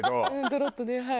ドロッとねはい。